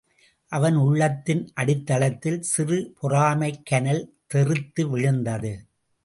அவன் உள்ளத்தின் அடித்தளத்தில் சிறு பொறாமைக் கனல் தெறித்து விழுந்தது.